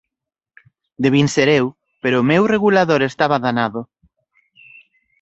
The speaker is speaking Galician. Debín ser eu, pero o meu regulador estaba danado.